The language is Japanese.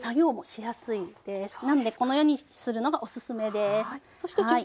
なのでこのようにするのがオススメです。